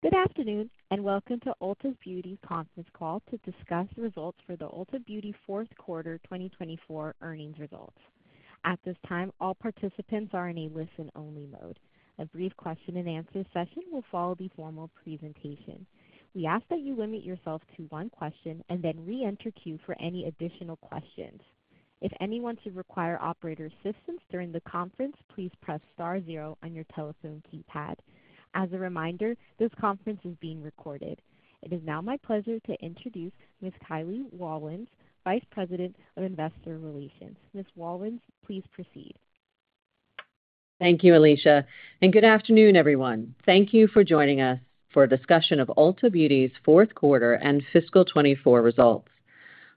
Good afternoon and welcome to Ulta Beauty's conference call to discuss results for the Ulta Beauty fourth quarter 2024 earnings results. At this time, all participants are in a listen-only mode. A brief question-and-answer session will follow the formal presentation. We ask that you limit yourself to one question and then re-enter Q for any additional questions. If anyone should require operator assistance during the conference, please press star zero on your telephone keypad. As a reminder, this conference is being recorded. It is now my pleasure to introduce Ms. Kiley Rawlins, Vice President of investor relations. Ms. Rawlins, please proceed. Thank you, Alicia. Good afternoon, everyone. Thank you for joining us for a discussion of Ulta Beauty's fourth quarter and fiscal 2024 results.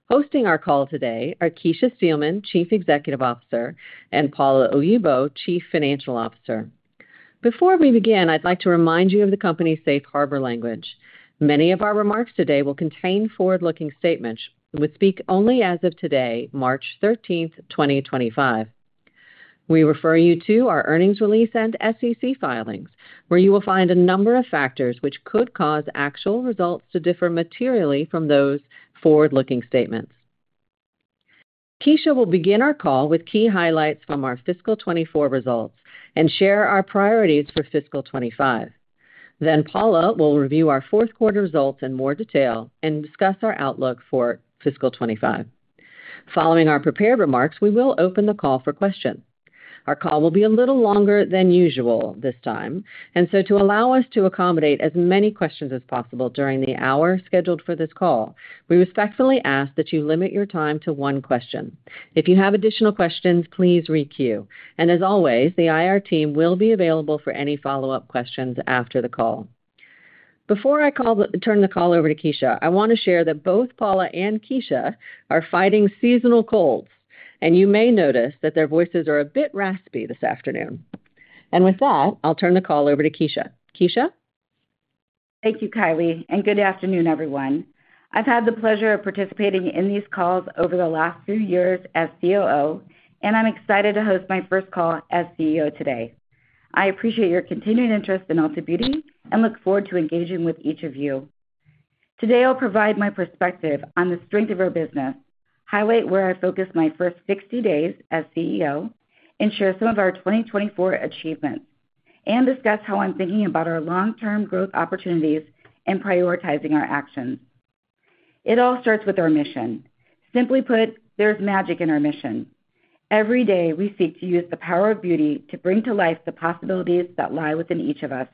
Hosting our call today are Kecia Steelman, Chief Executive Officer, and Paula Oyibo, Chief Financial Officer. Before we begin, I'd like to remind you of the company's safe harbor language. Many of our remarks today will contain forward-looking statements and will speak only as of today, March 13th, 2025. We refer you to our earnings release and SEC filings, where you will find a number of factors which could cause actual results to differ materially from those forward-looking statements. Kecia will begin our call with key highlights from our fiscal 2024 results and share our priorities for fiscal 2025. Paula will review our fourth quarter results in more detail and discuss our outlook for fiscal 2025. Following our prepared remarks, we will open the call for questions. Our call will be a little longer than usual this time, and to allow us to accommodate as many questions as possible during the hour scheduled for this call, we respectfully ask that you limit your time to one question. If you have additional questions, please re-queue. As always, the IR team will be available for any follow-up questions after the call. Before I turn the call over to Kecia, I want to share that both Paula and Kecia are fighting seasonal colds, and you may notice that their voices are a bit raspy this afternoon. With that, I'll turn the call over to Kecia. Kecia? Thank you, Kiley, and good afternoon, everyone. I've had the pleasure of participating in these calls over the last few years as COO, and I'm excited to host my first call as CEO today. I appreciate your continued interest in Ulta Beauty and look forward to engaging with each of you. Today, I'll provide my perspective on the strength of our business, highlight where I focused my first 60 days as CEO, and share some of our 2024 achievements, and discuss how I'm thinking about our long-term growth opportunities and prioritizing our actions. It all starts with our mission. Simply put, there's magic in our mission. Every day, we seek to use the power of beauty to bring to life the possibilities that lie within each of us.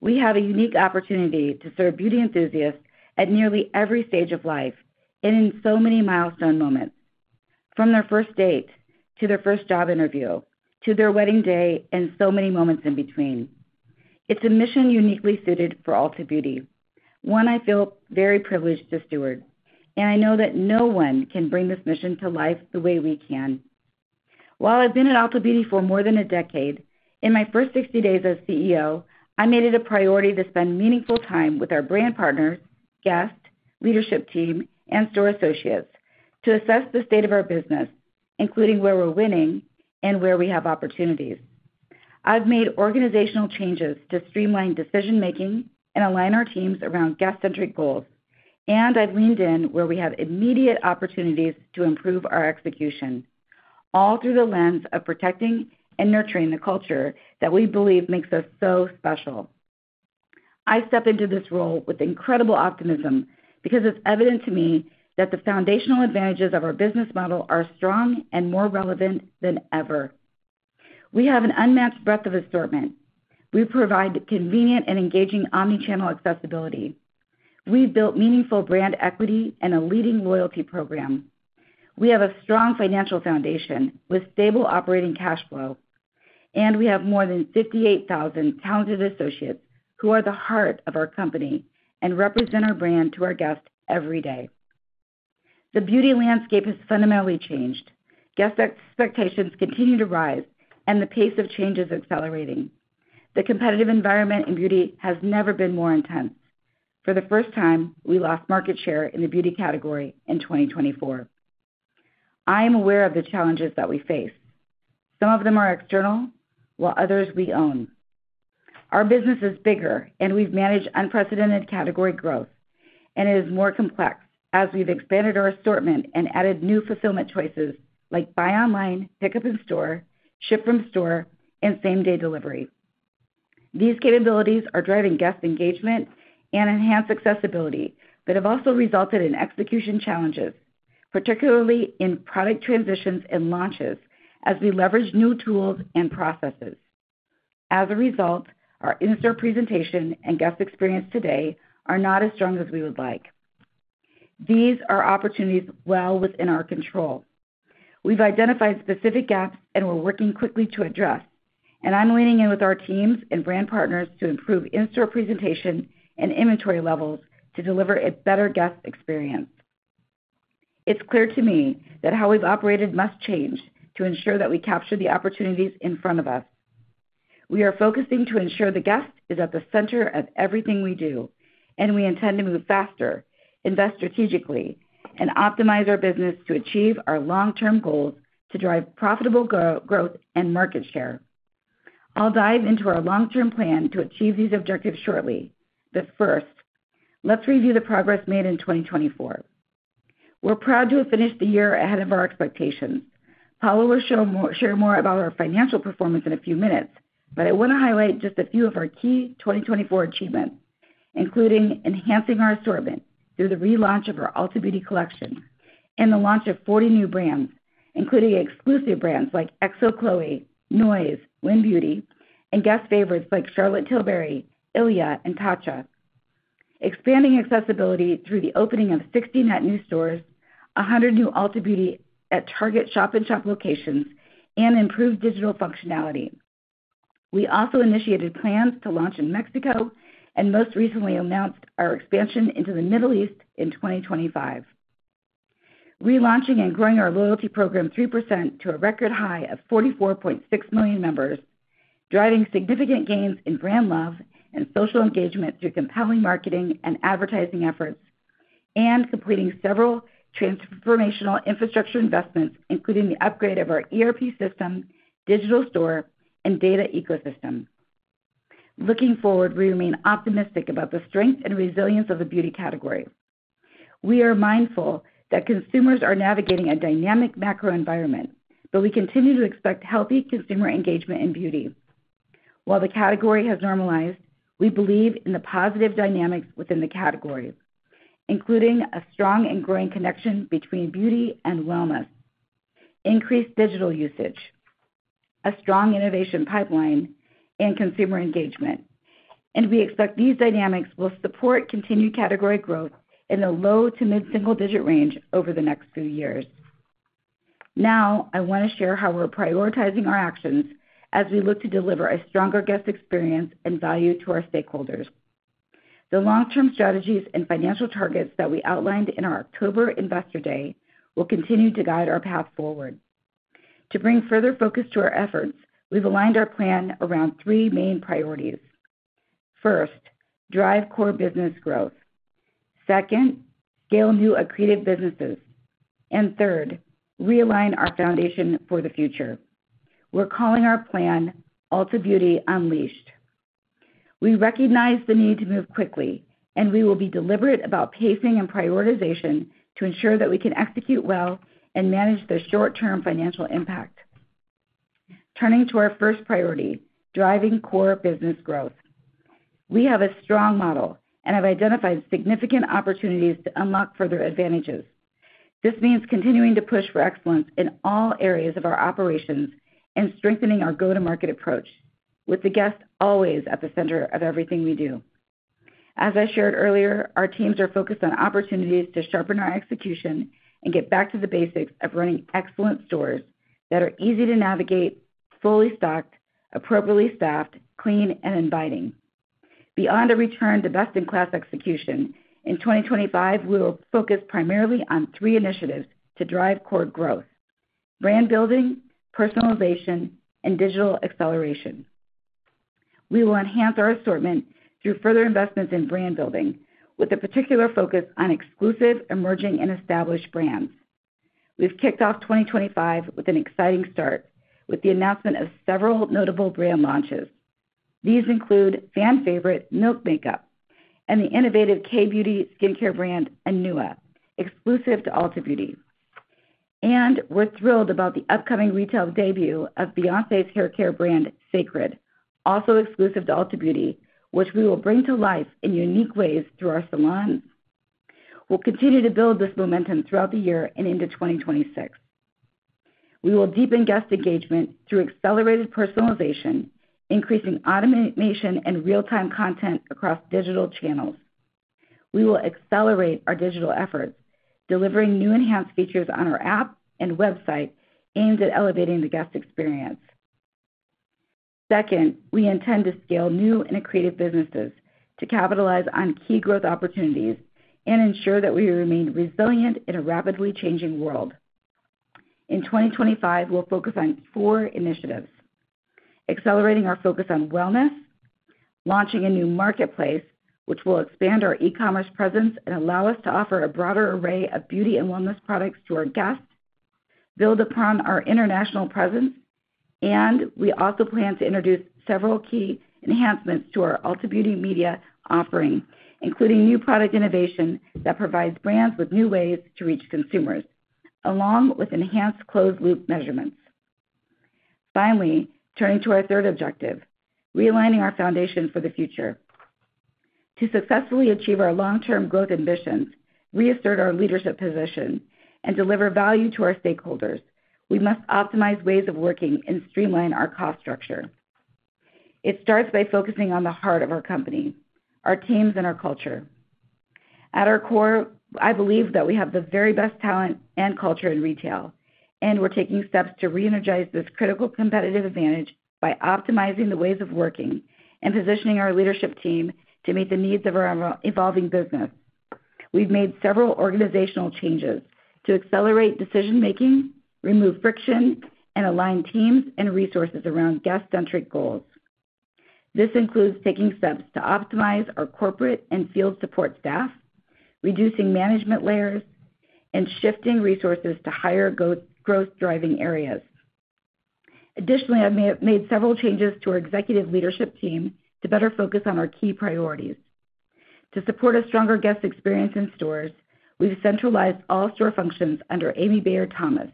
We have a unique opportunity to serve beauty enthusiasts at nearly every stage of life and in so many milestone moments, from their first date to their first job interview to their wedding day and so many moments in between. It is a mission uniquely suited for Ulta Beauty, one I feel very privileged to steward, and I know that no one can bring this mission to life the way we can. While I have been at Ulta Beauty for more than a decade, in my first 60 days as CEO, I made it a priority to spend meaningful time with our brand partners, guests, leadership team, and store associates to assess the state of our business, including where we are winning and where we have opportunities. I've made organizational changes to streamline decision-making and align our teams around guest-centric goals, and I've leaned in where we have immediate opportunities to improve our execution, all through the lens of protecting and nurturing the culture that we believe makes us so special. I step into this role with incredible optimism because it's evident to me that the foundational advantages of our business model are strong and more relevant than ever. We have an unmatched breadth of assortment. We provide convenient and engaging omnichannel accessibility. We've built meaningful brand equity and a leading loyalty program. We have a strong financial foundation with stable operating cash flow, and we have more than 58,000 talented associates who are the heart of our company and represent our brand to our guests every day. The beauty landscape has fundamentally changed. Guest expectations continue to rise, and the pace of change is accelerating. The competitive environment in beauty has never been more intense. For the first time, we lost market share in the beauty category in 2024. I am aware of the challenges that we face. Some of them are external, while others we own. Our business is bigger, and we've managed unprecedented category growth, and it is more complex as we've expanded our assortment and added new fulfillment choices like Buy Online, Pick Up In Store, Ship from Store, and same-day delivery. These capabilities are driving guest engagement and enhanced accessibility but have also resulted in execution challenges, particularly in product transitions and launches as we leverage new tools and processes. As a result, our in-store presentation and guest experience today are not as strong as we would like. These are opportunities well within our control. We've identified specific gaps and we're working quickly to address, and I'm leaning in with our teams and brand partners to improve in-store presentation and inventory levels to deliver a better guest experience. It's clear to me that how we've operated must change to ensure that we capture the opportunities in front of us. We are focusing to ensure the guest is at the center of everything we do, and we intend to move faster, invest strategically, and optimize our business to achieve our long-term goals to drive profitable growth and market share. I'll dive into our long-term plan to achieve these objectives shortly. First, let's review the progress made in 2024. We're proud to have finished the year ahead of our expectations. Paula will share more about our financial performance in a few minutes, but I want to highlight just a few of our key 2024 achievements, including enhancing our assortment through the relaunch of our Ulta Beauty Collection and the launch of 40 new brands, including exclusive brands like Exo Chloé, Noyz, WYN BEAUTY, and guest favorites like Charlotte Tilbury, ILIA, and Tatcha. Expanding accessibility through the opening of 60 net new stores, 100 new Ulta Beauty at Target shop-in-shop locations, and improved digital functionality. We also initiated plans to launch in Mexico and most recently announced our expansion into the Middle East in 2025. Relaunching and growing our loyalty program 3% to a record high of 44.6 million members, driving significant gains in brand love and social engagement through compelling marketing and advertising efforts, and completing several transformational infrastructure investments, including the upgrade of our ERP system, digital store, and data ecosystem. Looking forward, we remain optimistic about the strength and resilience of the beauty category. We are mindful that consumers are navigating a dynamic macro environment, but we continue to expect healthy consumer engagement in beauty. While the category has normalized, we believe in the positive dynamics within the category, including a strong and growing connection between beauty and wellness, increased digital usage, a strong innovation pipeline, and consumer engagement. We expect these dynamics will support continued category growth in the low to mid-single-digit range over the next few years. Now, I want to share how we're prioritizing our actions as we look to deliver a stronger guest experience and value to our stakeholders. The long-term strategies and financial targets that we outlined in our October Investor Day will continue to guide our path forward. To bring further focus to our efforts, we've aligned our plan around three main priorities. First, drive core business growth. Second, scale new accretive businesses. Third, realign our foundation for the future. We're calling our plan Ulta Beauty Unleashed. We recognize the need to move quickly, and we will be deliberate about pacing and prioritization to ensure that we can execute well and manage the short-term financial impact. Turning to our first priority, driving core business growth. We have a strong model and have identified significant opportunities to unlock further advantages. This means continuing to push for excellence in all areas of our operations and strengthening our go-to-market approach, with the guest always at the center of everything we do. As I shared earlier, our teams are focused on opportunities to sharpen our execution and get back to the basics of running excellent stores that are easy to navigate, fully stocked, appropriately staffed, clean, and inviting. Beyond a return-to-best-in-class execution, in 2025, we will focus primarily on three initiatives to drive core growth: brand building, personalization, and digital acceleration. We will enhance our assortment through further investments in brand building, with a particular focus on exclusive emerging and established brands. We've kicked off 2025 with an exciting start with the announcement of several notable brand launches. These include fan-favorite Milk Makeup and the innovative K-beauty skincare brand Anua, exclusive to Ulta Beauty. We are thrilled about the upcoming retail debut of Beyoncé's haircare brand Cécred, also exclusive to Ulta Beauty, which we will bring to life in unique ways through our salons. We will continue to build this momentum throughout the year and into 2026. We will deepen guest engagement through accelerated personalization, increasing automation and real-time content across digital channels. We will accelerate our digital efforts, delivering new enhanced features on our app and website aimed at elevating the guest experience. Second, we intend to scale new and accretive businesses to capitalize on key growth opportunities and ensure that we remain resilient in a rapidly changing world. In 2025, we'll focus on four initiatives: accelerating our focus on wellness, launching a new marketplace, which will expand our e-commerce presence and allow us to offer a broader array of beauty and wellness products to our guests, build upon our international presence, and we also plan to introduce several key enhancements to our Ulta Beauty media offering, including new product innovation that provides brands with new ways to reach consumers, along with enhanced closed-loop measurements. Finally, turning to our third objective, realigning our foundation for the future. To successfully achieve our long-term growth ambitions, reassert our leadership position, and deliver value to our stakeholders, we must optimize ways of working and streamline our cost structure. It starts by focusing on the heart of our company, our teams, and our culture. At our core, I believe that we have the very best talent and culture in retail, and we're taking steps to reenergize this critical competitive advantage by optimizing the ways of working and positioning our leadership team to meet the needs of our evolving business. We've made several organizational changes to accelerate decision-making, remove friction, and align teams and resources around guest-centric goals. This includes taking steps to optimize our corporate and field support staff, reducing management layers, and shifting resources to higher growth-driving areas. Additionally, I've made several changes to our executive leadership team to better focus on our key priorities. To support a stronger guest experience in stores, we've centralized all store functions under Amiee Bayer-Thomas,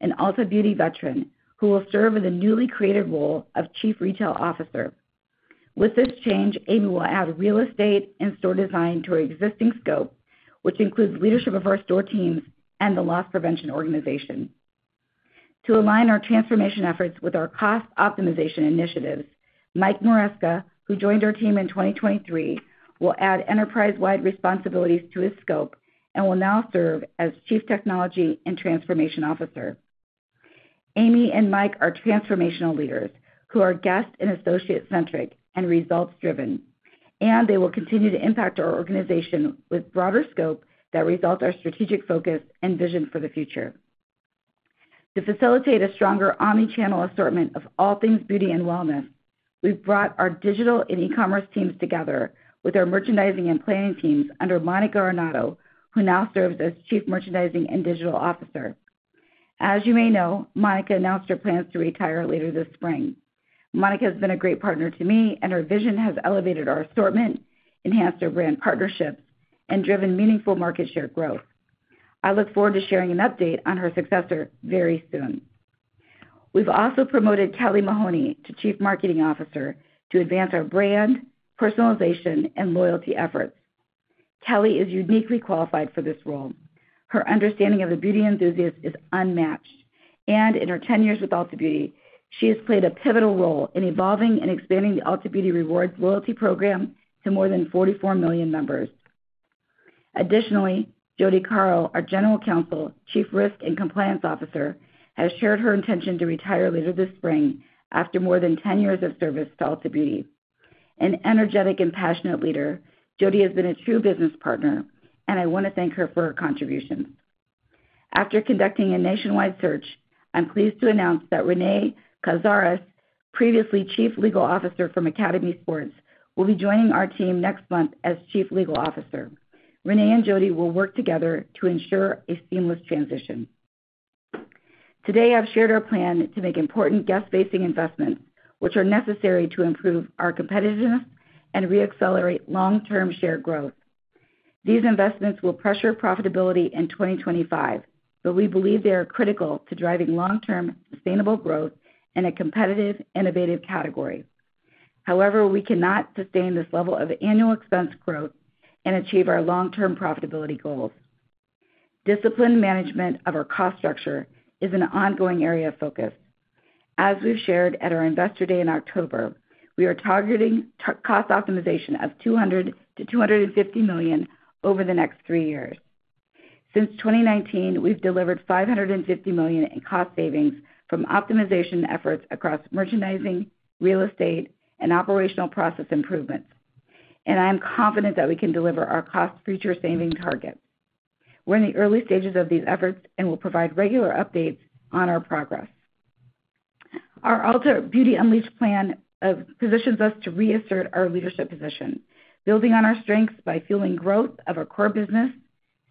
an Ulta Beauty veteran who will serve in the newly created role of Chief Retail Officer. With this change, Amiee will add real estate and store design to our existing scope, which includes leadership of our store teams and the loss prevention organization. To align our transformation efforts with our cost optimization initiatives, Mike Maresca, who joined our team in 2023, will add enterprise-wide responsibilities to his scope and will now serve as Chief Technology and Transformation Officer. Amiee and Mike are transformational leaders who are guest and associate-centric and results-driven, and they will continue to impact our organization with broader scope that results in our strategic focus and vision for the future. To facilitate a stronger omnichannel assortment of all things beauty and wellness, we've brought our digital and e-commerce teams together with our merchandising and planning teams under Monica Arnaudo, who now serves as Chief Merchandising and Digital Officer. As you may know, Monica announced her plans to retire later this spring. Monica has been a great partner to me, and her vision has elevated our assortment, enhanced our brand partnerships, and driven meaningful market share growth. I look forward to sharing an update on her successor very soon. We have also promoted Kelly Mahoney to Chief Marketing Officer to advance our brand, personalization, and loyalty efforts. Kelly is uniquely qualified for this role. Her understanding of the beauty enthusiast is unmatched, and in her 10 years with Ulta Beauty, she has played a pivotal role in evolving and expanding the Ulta Beauty Rewards loyalty program to more than 44 million members. Additionally, Jodi Caro, our General Counsel, Chief Risk and Compliance Officer, has shared her intention to retire later this spring after more than 10 years of service to Ulta Beauty. An energetic and passionate leader, Jodi has been a true business partner, and I want to thank her for her contributions. After conducting a nationwide search, I'm pleased to announce that Rene Cazares, previously Chief Legal Officer from Academy Sports + Outdoors, will be joining our team next month as Chief Legal Officer. Rene and Jodi will work together to ensure a seamless transition. Today, I've shared our plan to make important guest-facing investments, which are necessary to improve our competitiveness and re-accelerate long-term share growth. These investments will pressure profitability in 2025, but we believe they are critical to driving long-term sustainable growth in a competitive, innovative category. However, we cannot sustain this level of annual expense growth and achieve our long-term profitability goals. Discipline management of our cost structure is an ongoing area of focus. As we've shared at our investor day in October, we are targeting cost optimization of $200 million-$250 million over the next three years. Since 2019, we've delivered $550 million in cost savings from optimization efforts across merchandising, real estate, and operational process improvements. I am confident that we can deliver our future cost saving targets. We are in the early stages of these efforts and will provide regular updates on our progress. Our Ulta Beauty Unleashed plan positions us to reassert our leadership position, building on our strengths by fueling growth of our core business,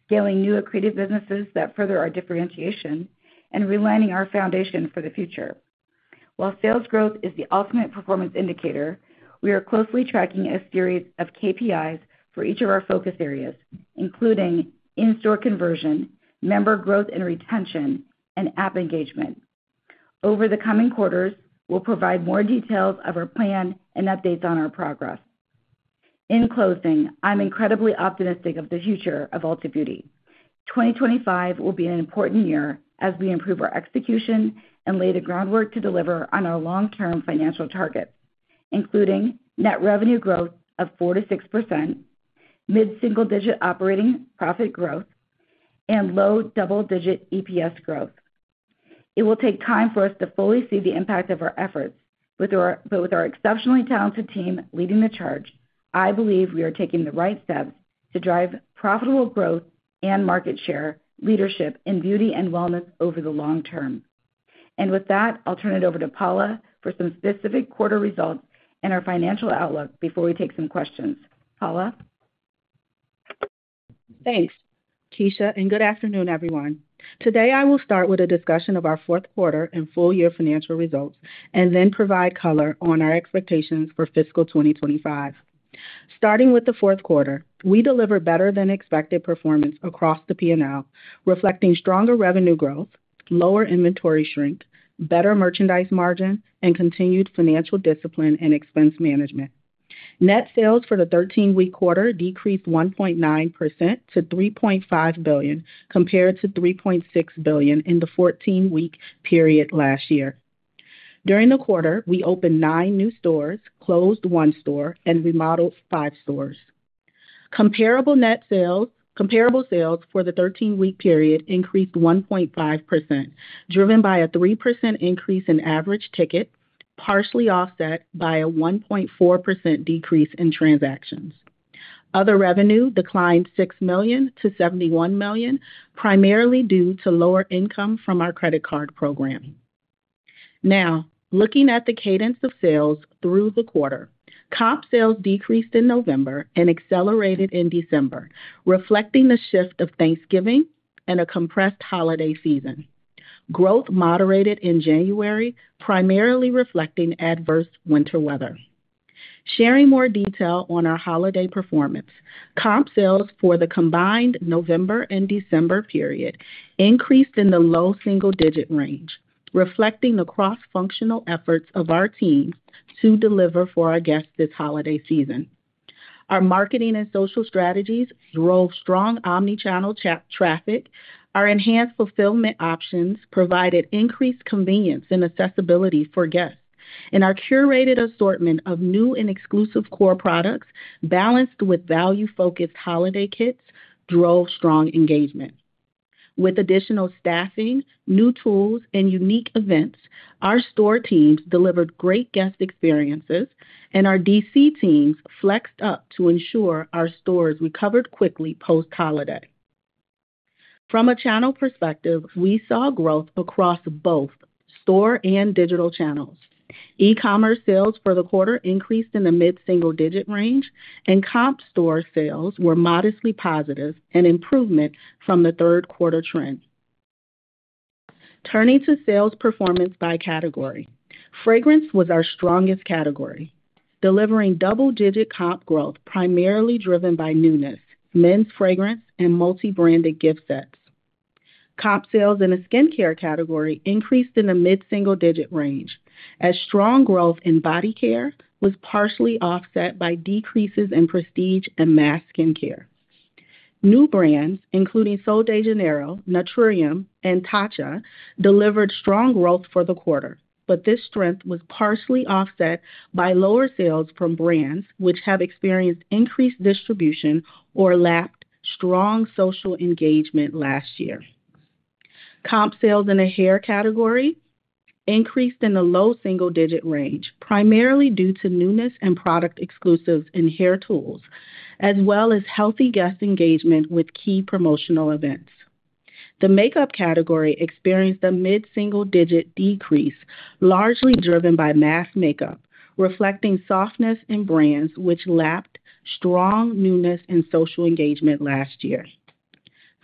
scaling new accretive businesses that further our differentiation, and realigning our foundation for the future. While sales growth is the ultimate performance indicator, we are closely tracking a series of KPIs for each of our focus areas, including in-store conversion, member growth and retention, and app engagement. Over the coming quarters, we will provide more details of our plan and updates on our progress. In closing, I am incredibly optimistic of the future of Ulta Beauty. 2025 will be an important year as we improve our execution and lay the groundwork to deliver on our long-term financial targets, including net revenue growth of 4-6%, mid-single-digit operating profit growth, and low double-digit EPS growth. It will take time for us to fully see the impact of our efforts, but with our exceptionally talented team leading the charge, I believe we are taking the right steps to drive profitable growth and market share, leadership, and beauty and wellness over the long term. I will turn it over to Paula for some specific quarter results and our financial outlook before we take some questions. Paula? Thanks, Kecia, and good afternoon, everyone. Today, I will start with a discussion of our fourth quarter and full-year financial results and then provide color on our expectations for fiscal 2025. Starting with the fourth quarter, we deliver better-than-expected performance across the P&L, reflecting stronger revenue growth, lower inventory shrink, better merchandise margin, and continued financial discipline and expense management. Net sales for the 13-week quarter decreased 1.9% to $3.5 billion compared to $3.6 billion in the 14-week period last year. During the quarter, we opened nine new stores, closed one store, and remodeled five stores. Comparable net sales for the 13-week period increased 1.5%, driven by a 3% increase in average ticket, partially offset by a 1.4% decrease in transactions. Other revenue declined $6 million to $71 million, primarily due to lower income from our credit card program. Now, looking at the cadence of sales through the quarter, comp sales decreased in November and accelerated in December, reflecting the shift of Thanksgiving and a compressed holiday season. Growth moderated in January, primarily reflecting adverse winter weather. Sharing more detail on our holiday performance, comp sales for the combined November and December period increased in the low single-digit range, reflecting the cross-functional efforts of our team to deliver for our guests this holiday season. Our marketing and social strategies drove strong omnichannel traffic. Our enhanced fulfillment options provided increased convenience and accessibility for guests. Our curated assortment of new and exclusive core products, balanced with value-focused holiday kits, drove strong engagement. With additional staffing, new tools, and unique events, our store teams delivered great guest experiences, and our DC teams flexed up to ensure our stores recovered quickly post-holiday. From a channel perspective, we saw growth across both store and digital channels. E-commerce sales for the quarter increased in the mid-single-digit range, and comp store sales were modestly positive, an improvement from the third quarter trend. Turning to sales performance by category, fragrance was our strongest category, delivering double-digit comp growth primarily driven by newness, men's fragrance, and multi-branded gift sets. Comp sales in the skincare category increased in the mid-single-digit range, as strong growth in body care was partially offset by decreases in prestige and mass skincare. New brands, including Sol de Janeiro, Naturium, and Tatcha, delivered strong growth for the quarter, but this strength was partially offset by lower sales from brands which have experienced increased distribution or lacked strong social engagement last year. Comp sales in the hair category increased in the low single-digit range, primarily due to newness and product exclusives in hair tools, as well as healthy guest engagement with key promotional events. The makeup category experienced a mid-single-digit decrease, largely driven by mass makeup, reflecting softness in brands which lacked strong newness and social engagement last year.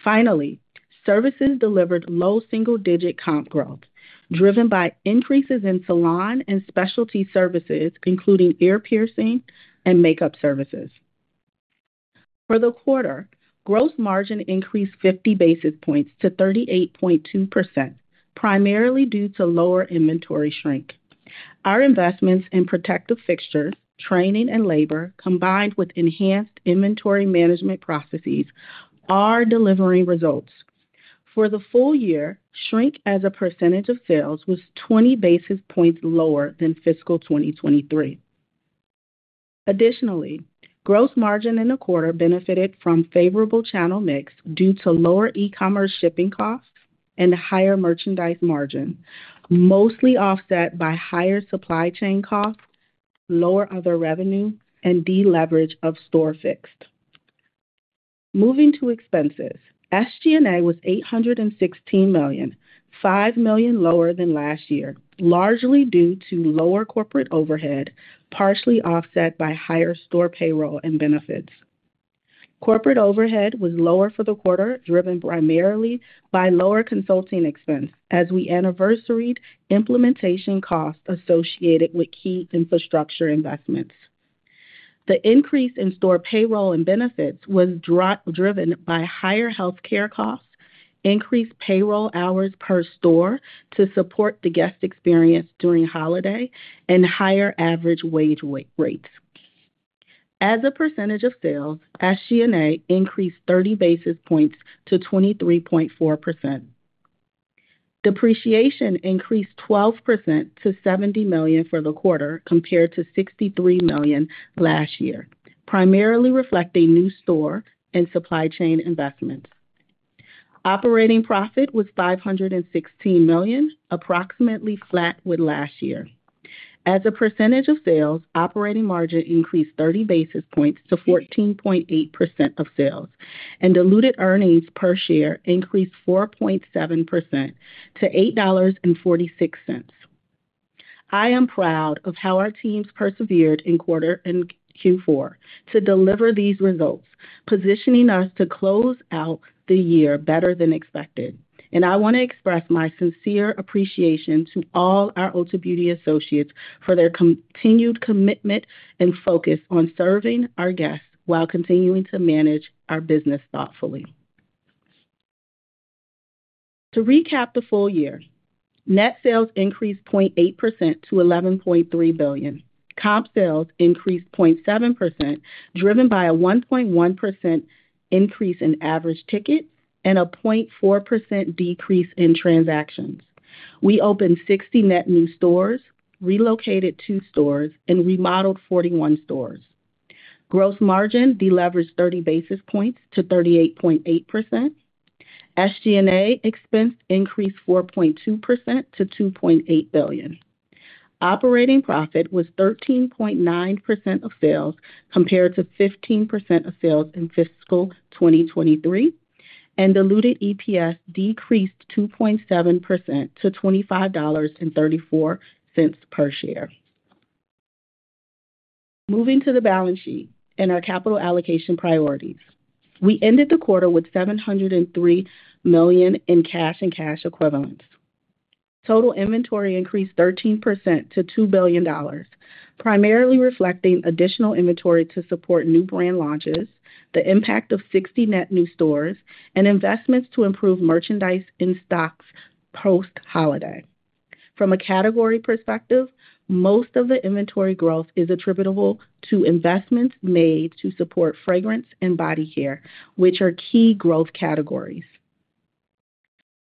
Finally, services delivered low single-digit comp growth, driven by increases in salon and specialty services, including ear piercing and makeup services. For the quarter, gross margin increased 50 basis points to 38.2%, primarily due to lower inventory shrink. Our investments in protective fixtures, training, and labor, combined with enhanced inventory management processes, are delivering results. For the full year, shrink as a percentage of sales was 20 basis points lower than fiscal 2023. Additionally, gross margin in the quarter benefited from favorable channel mix due to lower e-commerce shipping costs and higher merchandise margin, mostly offset by higher supply chain costs, lower other revenue, and deleverage of store fixed. Moving to expenses, SG&A was $816 million, $5 million lower than last year, largely due to lower corporate overhead, partially offset by higher store payroll and benefits. Corporate overhead was lower for the quarter, driven primarily by lower consulting expense, as we anniversaried implementation costs associated with key infrastructure investments. The increase in store payroll and benefits was driven by higher healthcare costs, increased payroll hours per store to support the guest experience during holiday, and higher average wage rates. As a percentage of sales, SG&A increased 30 basis points to 23.4%. Depreciation increased 12% to $70 million for the quarter, compared to $63 million last year, primarily reflecting new store and supply chain investments. Operating profit was $516 million, approximately flat with last year. As a percentage of sales, operating margin increased 30 basis points to 14.8% of sales, and diluted earnings per share increased 4.7% to $8.46. I am proud of how our teams persevered in quarter and Q4 to deliver these results, positioning us to close out the year better than expected. I want to express my sincere appreciation to all our Ulta Beauty associates for their continued commitment and focus on serving our guests while continuing to manage our business thoughtfully. To recap the full year, net sales increased 0.8% to $11.3 billion. Comp sales increased 0.7%, driven by a 1.1% increase in average tickets and a 0.4% decrease in transactions. We opened 60 net new stores, relocated two stores, and remodeled 41 stores. Gross margin deleveraged 30 basis points to 38.8%. SG&A expense increased 4.2% to $2.8 billion. Operating profit was 13.9% of sales, compared to 15% of sales in fiscal 2023, and diluted EPS decreased 2.7% to $25.34 per share. Moving to the balance sheet and our capital allocation priorities. We ended the quarter with $703 million in cash and cash equivalents. Total inventory increased 13% to $2 billion, primarily reflecting additional inventory to support new brand launches, the impact of 60 net new stores, and investments to improve merchandise and stocks post-holiday. From a category perspective, most of the inventory growth is attributable to investments made to support fragrance and body care, which are key growth categories.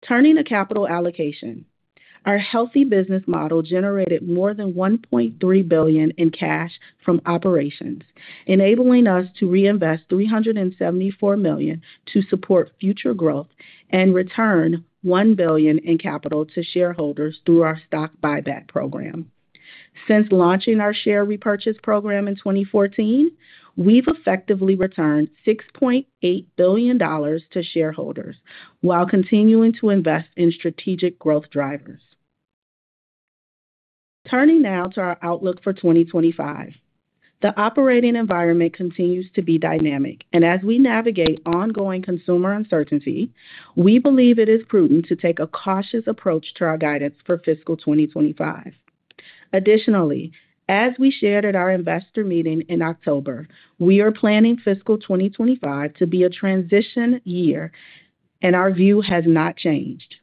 Turning to capital allocation, our healthy business model generated more than $1.3 billion in cash from operations, enabling us to reinvest $374 million to support future growth and return $1 billion in capital to shareholders through our stock buyback program. Since launching our share repurchase program in 2014, we've effectively returned $6.8 billion to shareholders while continuing to invest in strategic growth drivers. Turning now to our outlook for 2025. The operating environment continues to be dynamic, and as we navigate ongoing consumer uncertainty, we believe it is prudent to take a cautious approach to our guidance for fiscal 2025. Additionally, as we shared at our investor meeting in October, we are planning fiscal 2025 to be a transition year, and our view has not changed.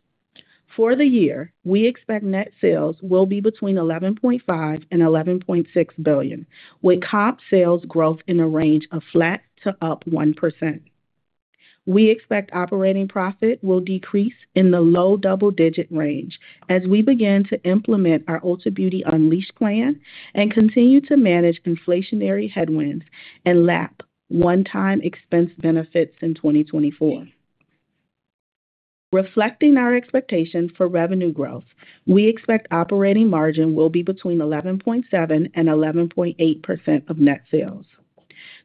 For the year, we expect net sales will be between $11.5 billion and $11.6 billion, with comp sales growth in a range of flat to up 1%. We expect operating profit will decrease in the low double-digit range as we begin to implement our Ulta Beauty Unleashed plan and continue to manage inflationary headwinds and lap one-time expense benefits in 2024. Reflecting our expectation for revenue growth, we expect operating margin will be between 11.7%-11.8% of net sales.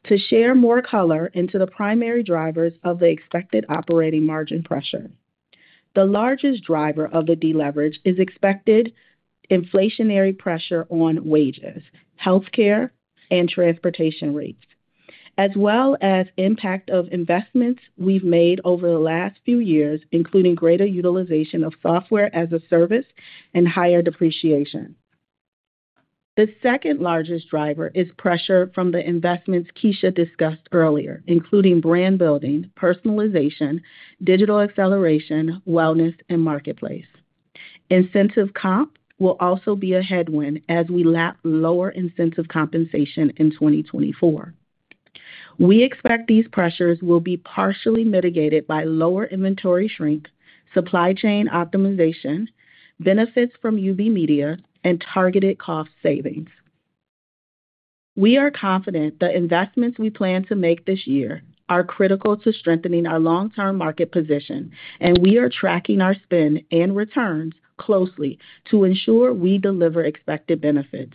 To share more color into the primary drivers of the expected operating margin pressure, the largest driver of the deleverage is expected inflationary pressure on wages, healthcare, and transportation rates, as well as the impact of investments we've made over the last few years, including greater utilization of software as a service and higher depreciation. The second largest driver is pressure from the investments Kecia discussed earlier, including brand building, personalization, digital acceleration, wellness, and marketplace. Incentive comp will also be a headwind as we lap lower incentive compensation in 2024. We expect these pressures will be partially mitigated by lower inventory shrink, supply chain optimization, benefits from UB Media, and targeted cost savings. We are confident the investments we plan to make this year are critical to strengthening our long-term market position, and we are tracking our spend and returns closely to ensure we deliver expected benefits.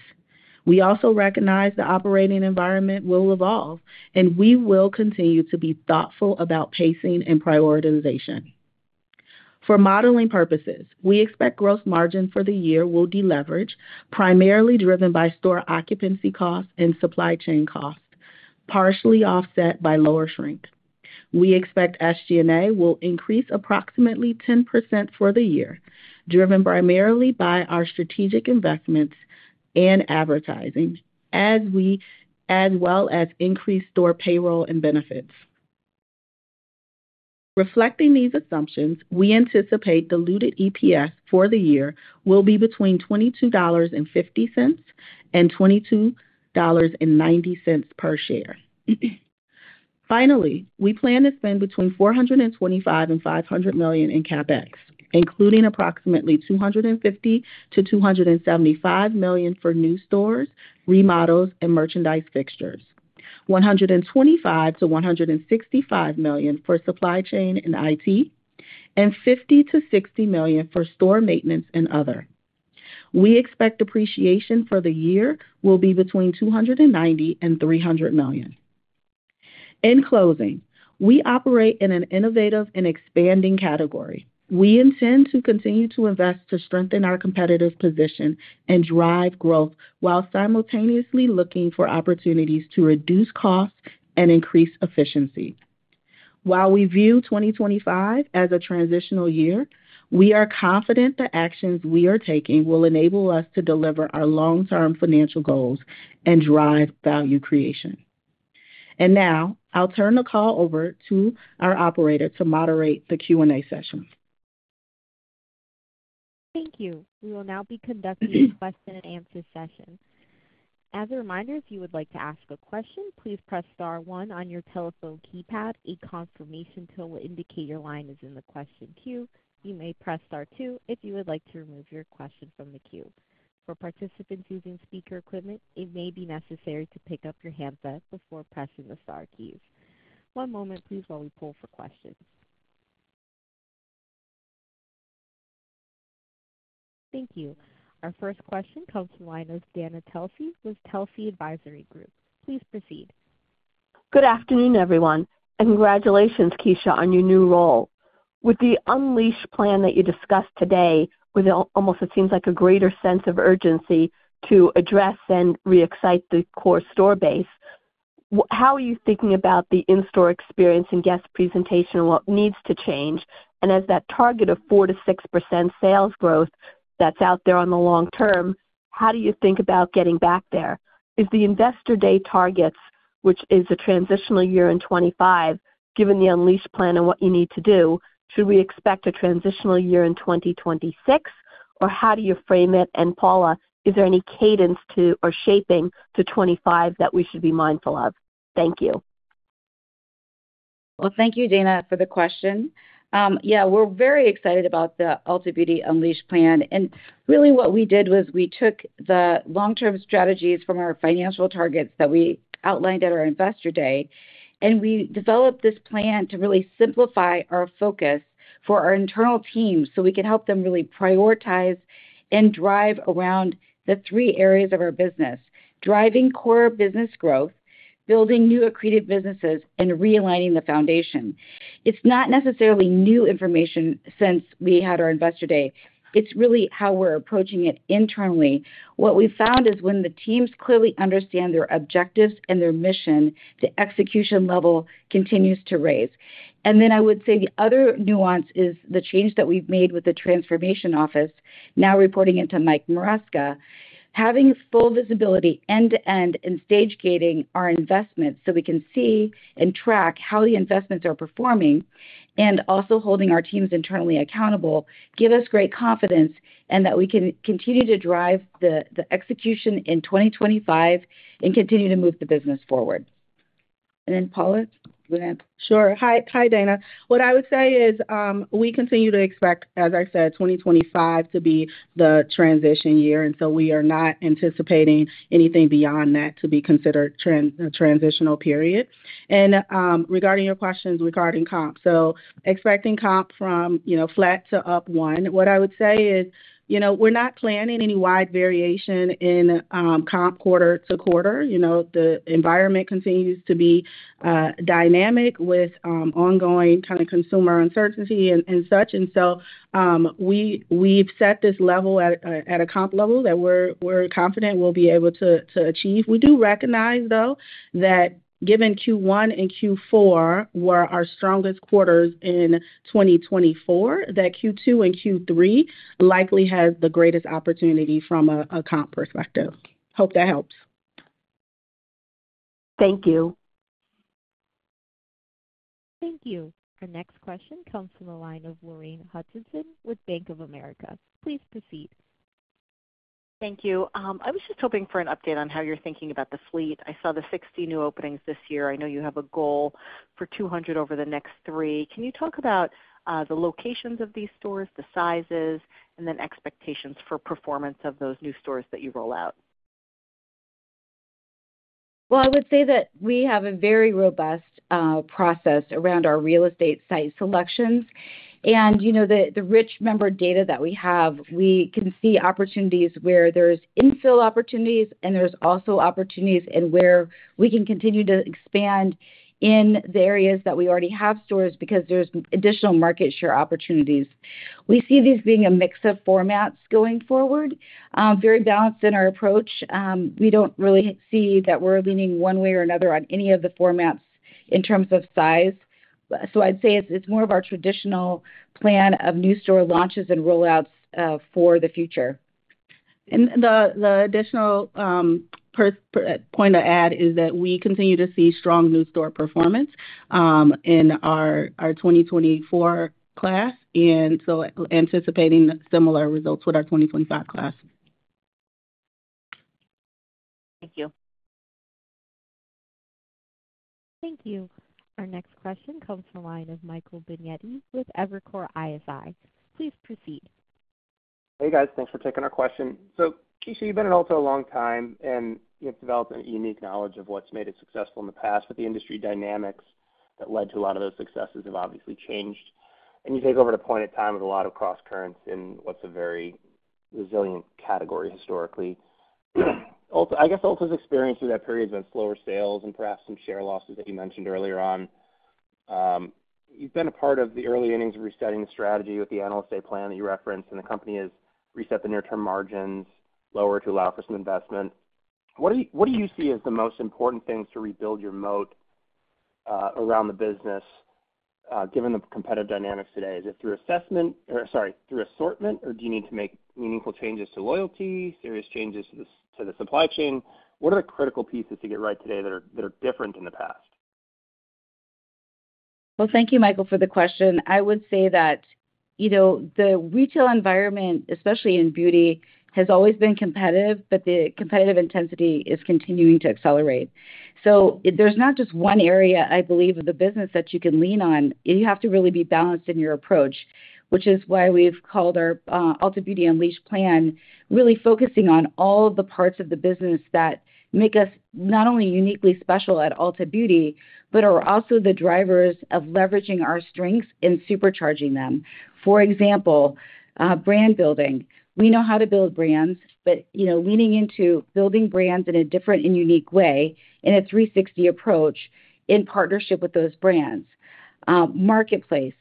We also recognize the operating environment will evolve, and we will continue to be thoughtful about pacing and prioritization. For modeling purposes, we expect gross margin for the year will deleverage, primarily driven by store occupancy costs and supply chain costs, partially offset by lower shrink. We expect SG&A will increase approximately 10% for the year, driven primarily by our strategic investments and advertising, as well as increased store payroll and benefits. Reflecting these assumptions, we anticipate diluted EPS for the year will be between $22.50 and $22.90 per share. Finally, we plan to spend between $425 million and $500 million in CapEx, including approximately $250 million to $275 million for new stores, remodels, and merchandise fixtures, $125 million to $165 million for supply chain and IT, and $50 million to $60 million for store maintenance and other. We expect depreciation for the year will be between $290 million and $300 million. In closing, we operate in an innovative and expanding category. We intend to continue to invest to strengthen our competitive position and drive growth while simultaneously looking for opportunities to reduce costs and increase efficiency. While we view 2025 as a transitional year, we are confident the actions we are taking will enable us to deliver our long-term financial goals and drive value creation. I will now turn the call over to our operator to moderate the Q&A session. Thank you. We will now be conducting a question-and-answer session. As a reminder, if you would like to ask a question, please press star one on your telephone keypad. A confirmation tool will indicate your line is in the question queue. You may press star two if you would like to remove your question from the queue. For participants using speaker equipment, it may be necessary to pick up your handset before pressing the star keys. One moment, please, while we pull for questions. Thank you. Our first call comes from the line of Dana Telsey with Telsey Advisory Group. Please proceed. Good afternoon, everyone. Congratulations, Kecia, on your new role. With the unleashed plan that you discussed today, with almost, it seems like, a greater sense of urgency to address and re-excite the core store base, how are you thinking about the in-store experience and guest presentation and what needs to change? As that target of 4-6% sales growth that's out there on the long term, how do you think about getting back there? Is the investor day targets, which is a transitional year in 2025, given the unleashed plan and what you need to do, should we expect a transitional year in 2026? How do you frame it? Paula, is there any cadence or shaping to 2025 that we should be mindful of? Thank you. Thank you, Dana, for the question. Yeah, we're very excited about the Ulta Beauty Unleashed plan. What we did was we took the long-term strategies from our financial targets that we outlined at our investor day, and we developed this plan to really simplify our focus for our internal team so we can help them really prioritize and drive around the three areas of our business: driving core business growth, building new accretive businesses, and realigning the foundation. It's not necessarily new information since we had our investor day. It's really how we're approaching it internally. What we found is when the teams clearly understand their objectives and their mission, the execution level continues to raise. I would say the other nuance is the change that we've made with the transformation office, now reporting into Mike Maresca, having full visibility end-to-end and stage-gating our investments so we can see and track how the investments are performing and also holding our teams internally accountable gives us great confidence in that we can continue to drive the execution in 2025 and continue to move the business forward. Paula, go ahead. Sure. Hi, Dana. What I would say is we continue to expect, as I said, 2025 to be the transition year. We are not anticipating anything beyond that to be considered a transitional period. Regarding your questions regarding comp, so expecting comp from flat to up one, what I would say is we're not planning any wide variation in comp quarter to quarter. The environment continues to be dynamic with ongoing kind of consumer uncertainty and such. We have set this level at a comp level that we are confident we will be able to achieve. We do recognize, though, that given Q1 and Q4 were our strongest quarters in 2024, Q2 and Q3 likely have the greatest opportunity from a comp perspective. Hope that helps. Thank you. Thank you. Our next question comes from the line of Lorraine Hutchinson with Bank of America. Please proceed. Thank you. I was just hoping for an update on how you are thinking about the fleet. I saw the 60 new openings this year. I know you have a goal for 200 over the next three. Can you talk about the locations of these stores, the sizes, and then expectations for performance of those new stores that you roll out? I would say that we have a very robust process around our real estate site selections. The rich member data that we have, we can see opportunities where there's infill opportunities, and there's also opportunities where we can continue to expand in the areas that we already have stores because there's additional market share opportunities. We see these being a mix of formats going forward, very balanced in our approach. We don't really see that we're leaning one way or another on any of the formats in terms of size. I'd say it's more of our traditional plan of new store launches and rollouts for the future. The additional point to add is that we continue to see strong new store performance in our 2024 class, and so anticipating similar results with our 2025 class. Thank you. Thank you. Our next question comes from the line of Michael Binetti with Evercore ISI. Please proceed. Hey, guys. Thanks for taking our question. Kecia, you've been at Ulta Beauty a long time, and you've developed a unique knowledge of what's made it successful in the past, but the industry dynamics that led to a lot of those successes have obviously changed. You take over at a point in time with a lot of cross currents in what's a very resilient category historically. I guess Ulta Beauty's experience through that period has been slower sales and perhaps some share losses that you mentioned earlier on. You've been a part of the early innings of resetting the strategy with the analyst day plan that you referenced, and the company has reset the near-term margins lower to allow for some investment. What do you see as the most important things to rebuild your moat around the business given the competitive dynamics today? Is it through assessment or, sorry, through assortment, or do you need to make meaningful changes to loyalty, serious changes to the supply chain? What are the critical pieces to get right today that are different than the past? Thank you, Michael, for the question. I would say that the retail environment, especially in beauty, has always been competitive, but the competitive intensity is continuing to accelerate. There is not just one area, I believe, of the business that you can lean on. You have to really be balanced in your approach, which is why we've called our Ulta Beauty Unleashed plan really focusing on all of the parts of the business that make us not only uniquely special at Ulta Beauty, but are also the drivers of leveraging our strengths and supercharging them. For example, brand building. We know how to build brands, but leaning into building brands in a different and unique way in a 360 approach in partnership with those brands. Marketplace,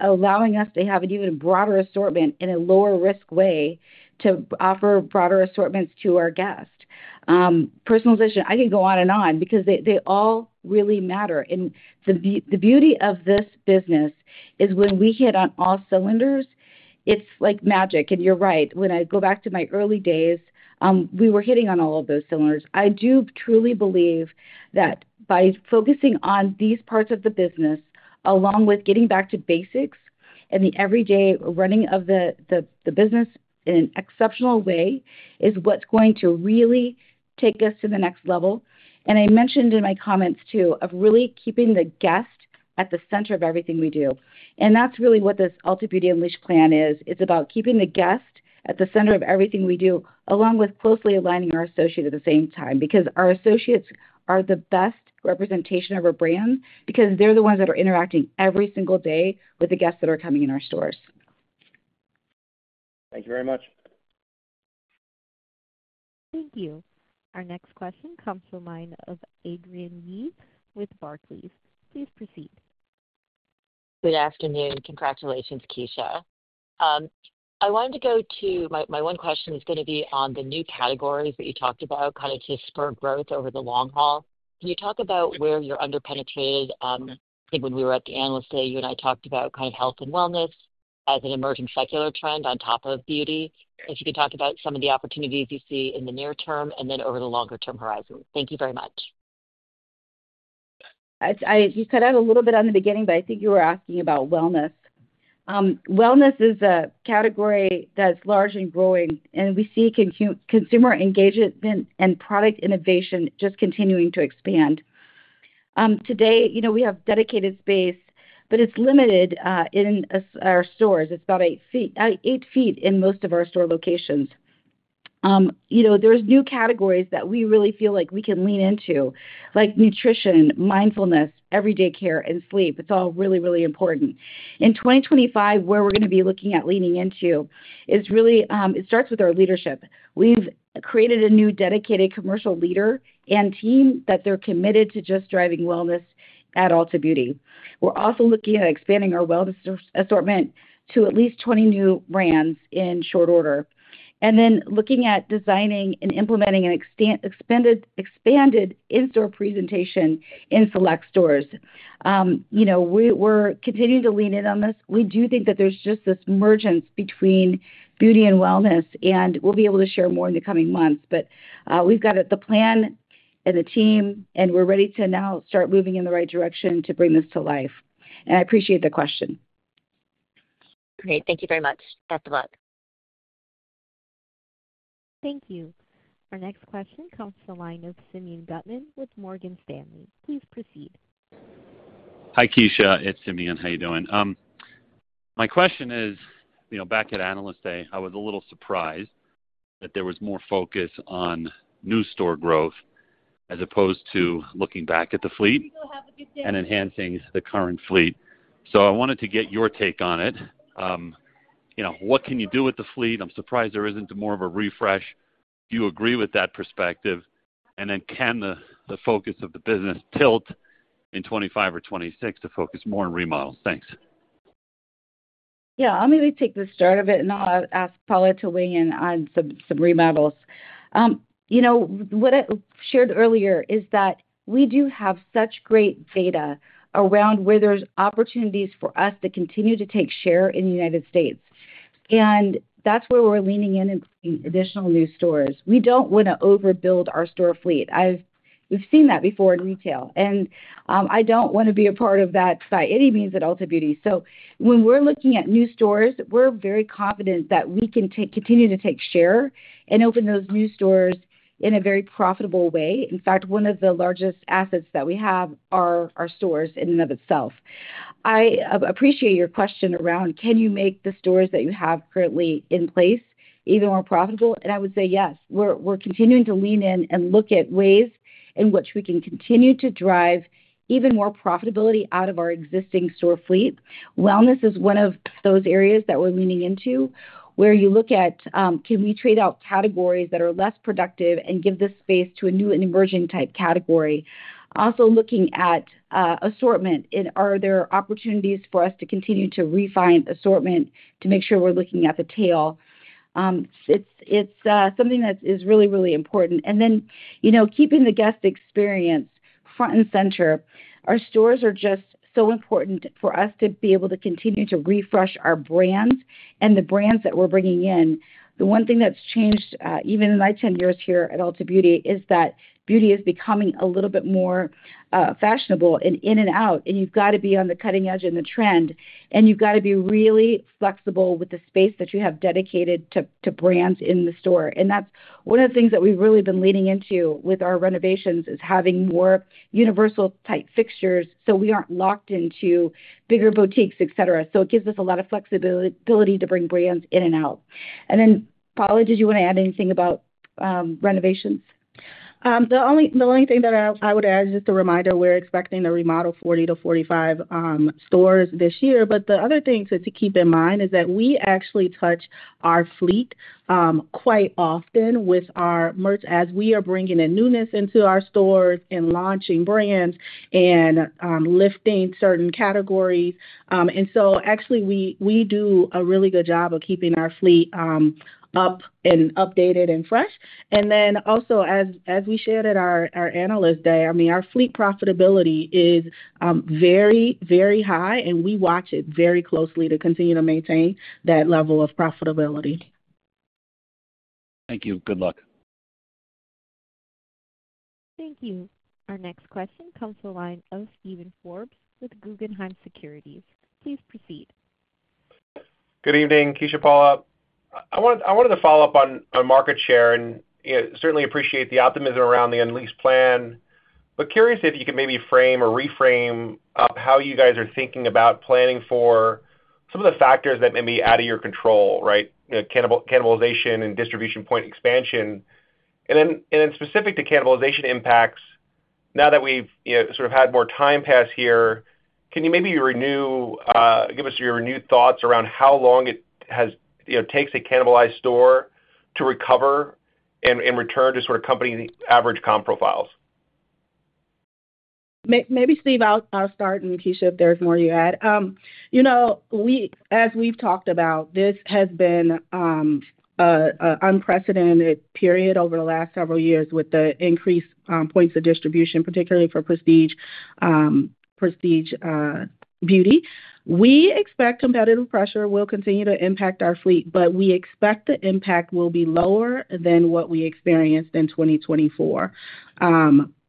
allowing us to have an even broader assortment in a lower-risk way to offer broader assortments to our guests. Personalization, I could go on and on because they all really matter. The beauty of this business is when we hit on all cylinders, it's like magic. You're right. When I go back to my early days, we were hitting on all of those cylinders. I do truly believe that by focusing on these parts of the business, along with getting back to basics and the everyday running of the business in an exceptional way, is what's going to really take us to the next level. I mentioned in my comments too of really keeping the guest at the center of everything we do. That is really what this Ulta Beauty Unleashed plan is. It's about keeping the guest at the center of everything we do, along with closely aligning our associates at the same time because our associates are the best representation of our brand because they're the ones that are interacting every single day with the guests that are coming in our stores. Thank you very much. Thank you. Our next question comes from the line of Adrienne Yih with Barclays. Please proceed. Good afternoon. Congratulations, Kecia. I wanted to go to my one question is going to be on the new categories that you talked about, kind of to spur growth over the long haul. Can you talk about where you're underpenetrated? I think when we were at the analyst day, you and I talked about kind of health and wellness as an emerging secular trend on top of beauty. If you could talk about some of the opportunities you see in the near term and then over the longer-term horizon. Thank you very much. You cut out a little bit on the beginning, but I think you were asking about wellness. Wellness is a category that's large and growing, and we see consumer engagement and product innovation just continuing to expand. Today, we have dedicated space, but it's limited in our stores. It's about 8 feet in most of our store locations. are new categories that we really feel like we can lean into, like nutrition, mindfulness, everyday care, and sleep. It's all really, really important. In 2025, where we're going to be looking at leaning into is really it starts with our leadership. We've created a new dedicated commercial leader and team that are committed to just driving wellness at Ulta Beauty. We're also looking at expanding our wellness assortment to at least 20 new brands in short order. We are looking at designing and implementing an expanded in-store presentation in select stores. We're continuing to lean in on this. We do think that there's just this mergence between beauty and wellness, and we'll be able to share more in the coming months. We've got the plan and the team, and we're ready to now start moving in the right direction to bring this to life. I appreciate the question. Great. Thank you very much. Best of luck. Thank you. Our next question comes from the line of Simeon Gutman with Morgan Stanley. Please proceed. Hi, Kecia. It's Simeon. How are you doing? My question is, back at analyst day, I was a little surprised that there was more focus on new store growth as opposed to looking back at the fleet and enhancing the current fleet. I wanted to get your take on it. What can you do with the fleet? I'm surprised there isn't more of a refresh. Do you agree with that perspective? Can the focus of the business tilt in 2025 or 2026 to focus more on remodels? Thanks. Yeah. I'm going to take the start of it, and I'll ask Paula to weigh in on some remodels. What I shared earlier is that we do have such great data around where there's opportunities for us to continue to take share in the United States. That is where we're leaning in and putting additional new stores. We don't want to overbuild our store fleet. We've seen that before in retail. I don't want to be a part of that by any means at Ulta Beauty. When we're looking at new stores, we're very confident that we can continue to take share and open those new stores in a very profitable way. In fact, one of the largest assets that we have are our stores in and of itself. I appreciate your question around, can you make the stores that you have currently in place even more profitable? I would say yes. We're continuing to lean in and look at ways in which we can continue to drive even more profitability out of our existing store fleet. Wellness is one of those areas that we're leaning into where you look at, can we trade out categories that are less productive and give this space to a new and emerging type category? Also looking at assortment, are there opportunities for us to continue to refine assortment to make sure we're looking at the tail? It's something that is really, really important. Keeping the guest experience front and center. Our stores are just so important for us to be able to continue to refresh our brands and the brands that we're bringing in. The one thing that's changed, even in my 10 years here at Ulta Beauty, is that beauty is becoming a little bit more fashionable and in and out, and you've got to be on the cutting edge and the trend, and you've got to be really flexible with the space that you have dedicated to brands in the store. That's one of the things that we've really been leaning into with our renovations is having more universal-type fixtures so we aren't locked into bigger boutiques, etc. It gives us a lot of flexibility to bring brands in and out. Paula, did you want to add anything about renovations? The only thing that I would add is just a reminder. We're expecting to remodel 40-45 stores this year. The other thing to keep in mind is that we actually touch our fleet quite often with our merch as we are bringing in newness into our stores and launching brands and lifting certain categories. We do a really good job of keeping our fleet up and updated and fresh. Also, as we shared at our analyst day, I mean, our fleet profitability is very, very high, and we watch it very closely to continue to maintain that level of profitability. Thank you. Good luck. Thank you. Our next question comes from the line of Steven Forbes with Guggenheim Securities. Please proceed. Good evening, Kecia and Paula. I wanted to follow up on market share and certainly appreciate the optimism around the unleashed plan, but curious if you could maybe frame or reframe how you guys are thinking about planning for some of the factors that may be out of your control, right? Cannibalization and distribution point expansion. Then specific to cannibalization impacts, now that we've sort of had more time past here, can you maybe give us your renewed thoughts around how long it takes a cannibalized store to recover and return to sort of company average comp profiles? Maybe, Steve, I'll start, and Kecia, if there's more you add. As we've talked about, this has been an unprecedented period over the last several years with the increased points of distribution, particularly for Prestige Beauty. We expect competitive pressure will continue to impact our fleet, but we expect the impact will be lower than what we experienced in 2024.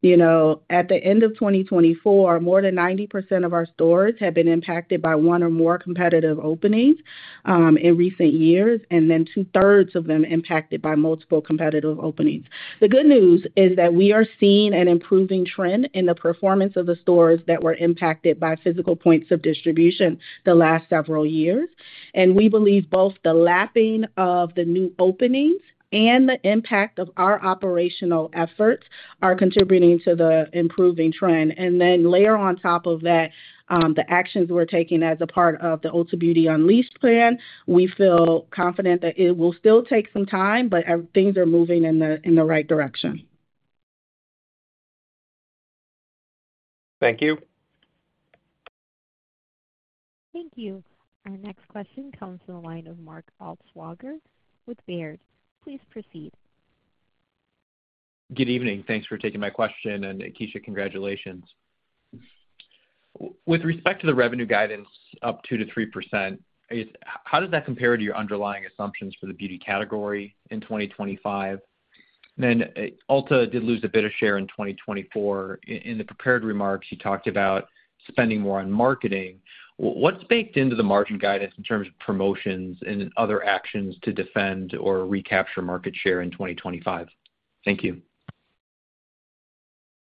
At the end of 2024, more than 90% of our stores have been impacted by one or more competitive openings in recent years, and two-thirds of them impacted by multiple competitive openings. The good news is that we are seeing an improving trend in the performance of the stores that were impacted by physical points of distribution the last several years. We believe both the lapping of the new openings and the impact of our operational efforts are contributing to the improving trend. Layer on top of that, the actions we're taking as a part of the Ulta Beauty Unleashed plan, we feel confident that it will still take some time, but things are moving in the right direction. Thank you. Thank you. Our next question comes from the line of Mark Altschwager with Baird. Please proceed. Good evening. Thanks for taking my question. Kecia, congratulations. With respect to the revenue guidance up 2-3%, how does that compare to your underlying assumptions for the beauty category in 2025? Ulta did lose a bit of share in 2024. In the prepared remarks, you talked about spending more on marketing. What is baked into the margin guidance in terms of promotions and other actions to defend or recapture market share in 2025? Thank you.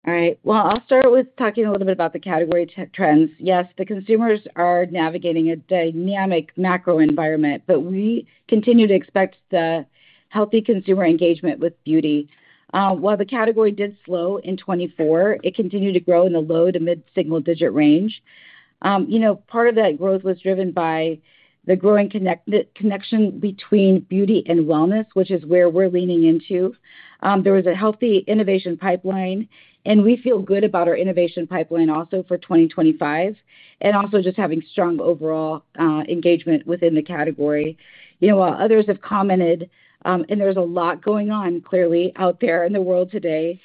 All right. I will start with talking a little bit about the category trends. Yes, the consumers are navigating a dynamic macro environment, but we continue to expect the healthy consumer engagement with beauty. While the category did slow in 2024, it continued to grow in the low to mid-single digit range. Part of that growth was driven by the growing connection between beauty and wellness, which is where we're leaning into. There was a healthy innovation pipeline, and we feel good about our innovation pipeline also for 2025, and also just having strong overall engagement within the category. While others have commented, and there's a lot going on clearly out there in the world today,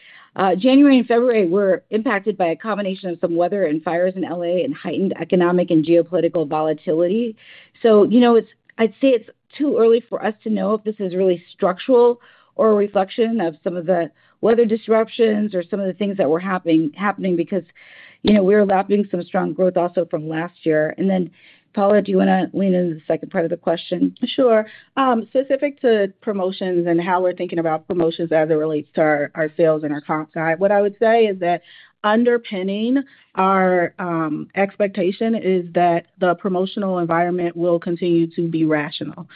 January and February were impacted by a combination of some weather and fires in Los Angeles and heightened economic and geopolitical volatility. I would say it's too early for us to know if this is really structural or a reflection of some of the weather disruptions or some of the things that were happening because we were lapping some strong growth also from last year. Paula, do you want to lean into the second part of the question? Sure. Specific to promotions and how we're thinking about promotions as it relates to our sales and our comp guide, what I would say is that underpinning our expectation is that the promotional environment will continue to be rational.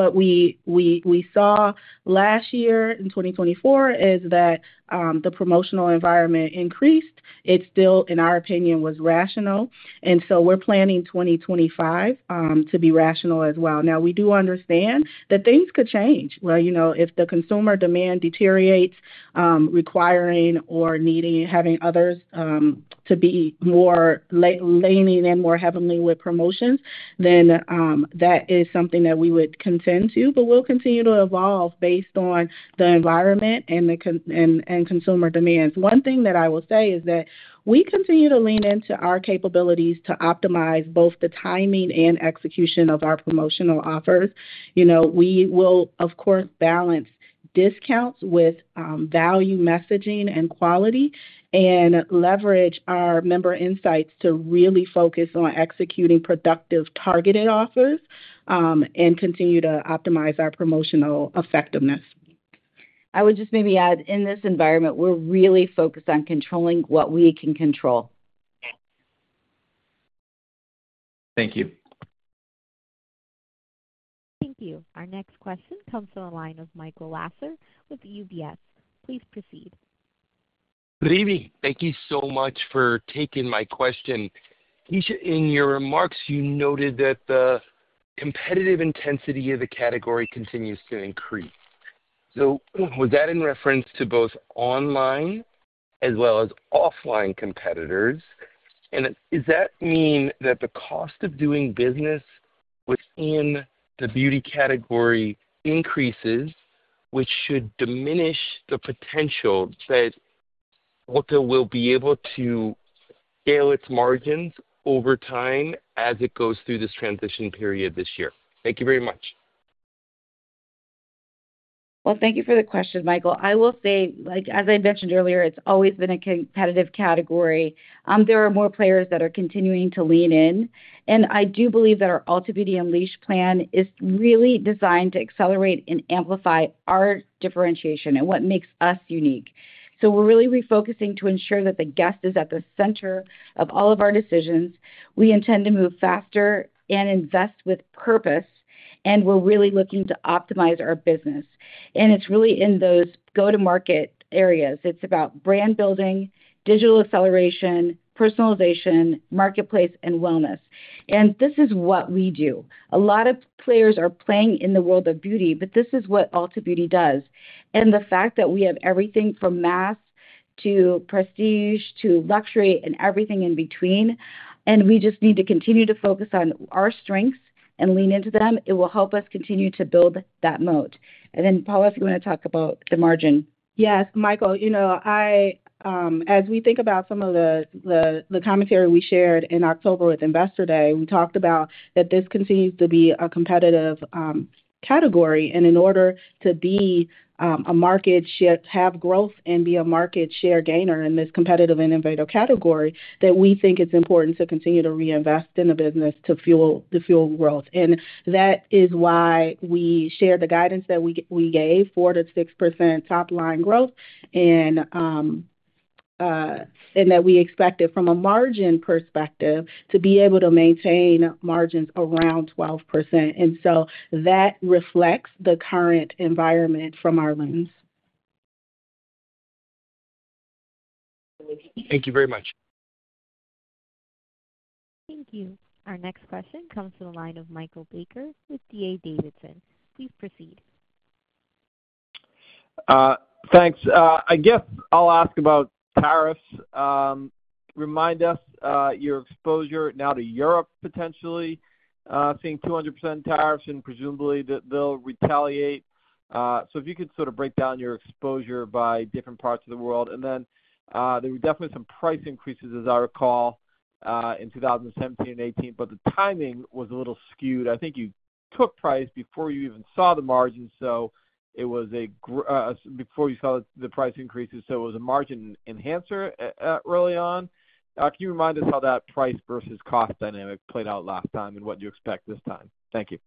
What we saw last year in 2024 is that the promotional environment increased. It still, in our opinion, was rational. We are planning 2025 to be rational as well. We do understand that things could change. If the consumer demand deteriorates, requiring or needing having others to be more leaning in more heavily with promotions, that is something that we would contend to, but we'll continue to evolve based on the environment and consumer demands. One thing that I will say is that we continue to lean into our capabilities to optimize both the timing and execution of our promotional offers. We will, of course, balance discounts with value messaging and quality and leverage our member insights to really focus on executing productive targeted offers and continue to optimize our promotional effectiveness. I would just maybe add, in this environment, we're really focused on controlling what we can control. Thank you. Thank you. Our next question comes from the line of Michael Lasser with UBS. Please proceed. Good evening. Thank you so much for taking my question. Kecia, in your remarks, you noted that the competitive intensity of the category continues to increase. Was that in reference to both online as well as offline competitors? Does that mean that the cost of doing business within the beauty category increases, which should diminish the potential that Ulta will be able to scale its margins over time as it goes through this transition period this year? Thank you very much. Thank you for the question, Michael. I will say, as I mentioned earlier, it's always been a competitive category. There are more players that are continuing to lean in. I do believe that our Ulta Beauty Unleashed plan is really designed to accelerate and amplify our differentiation and what makes us unique. We are really refocusing to ensure that the guest is at the center of all of our decisions. We intend to move faster and invest with purpose, and we are really looking to optimize our business. It is really in those go-to-market areas. It is about brand building, digital acceleration, personalization, marketplace, and wellness. This is what we do. A lot of players are playing in the world of beauty, but this is what Ulta Beauty does. The fact that we have everything from mass to prestige to luxury and everything in between, and we just need to continue to focus on our strengths and lean into them, it will help us continue to build that moat. Paula, if you want to talk about the margin. Yes. Michael, as we think about some of the commentary we shared in October with Investor Day, we talked about that this continues to be a competitive category. In order to be a market share, have growth, and be a market share gainer in this competitive and innovative category, we think it's important to continue to reinvest in the business to fuel growth. That is why we shared the guidance that we gave: 4-6% top-line growth, and that we expected from a margin perspective to be able to maintain margins around 12%. That reflects the current environment from our lens. Thank you very much. Thank you. Our next question comes from the line of Michael Baker with D.A. Davidson. Please proceed. Thanks. I guess I'll ask about tariffs. Remind us your exposure now to Europe, potentially seeing 200% tariffs, and presumably that they'll retaliate. If you could sort of break down your exposure by different parts of the world. There were definitely some price increases, as I recall, in 2017 and 2018, but the timing was a little skewed. I think you took price before you even saw the margin, so it was before you saw the price increases, so it was a margin enhancer early on. Can you remind us how that price versus cost dynamic played out last time and what you expect this time? Thank you.